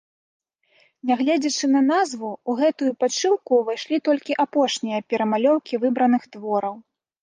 Нягледзячы на назву, у гэтую падшыўку ўвайшлі толькі апошнія перамалёўкі выбраных твораў.